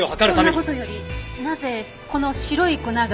そんな事よりなぜこの白い粉が薬物だと？